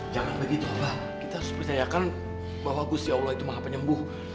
jangan begitu kita harus percayakan bahwa gus ya allah itu maha penyembuh